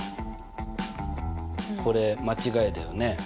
これ間違いだよね？